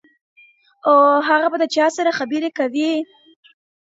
o هغه به چاسره خبري کوي.